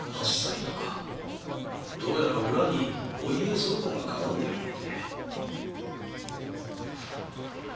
どうやら裏にお家騒動が絡んでるようで。